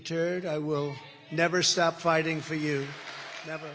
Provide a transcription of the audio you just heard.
saya tidak akan berhenti berkampanye untuk anda